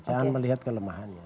jangan melihat kelemahannya